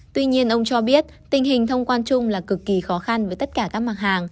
tuy nhiên ông cho biết tình hình thông quan chung là cực kỳ khó khăn với tất cả các mặt hàng